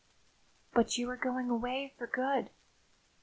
"But you are going away for good!"